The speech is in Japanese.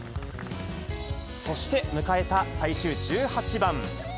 そして迎えた最終１８番。